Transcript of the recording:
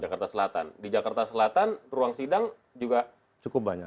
jakarta selatan di jakarta selatan ruang sidang juga cukup banyak